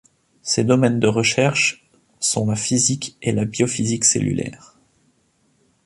Ses domaines de recherches sont la physique et la biophysique cellulaire.